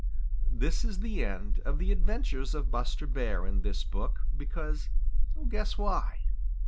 This is the end of the adventures of Buster Bear in this book because guess why.